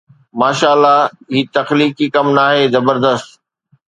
ماشاءَ الله، هي تخليقي ڪم ناهي. زبردست